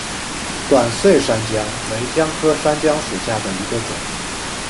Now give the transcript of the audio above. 短穗山姜为姜科山姜属下的一个种。